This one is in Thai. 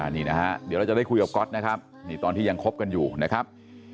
นี่นะฮะเดี๋ยวเราจะได้คุยกับก๊อตนะครับนี่ตอนที่ยังคบกันอยู่นะครับ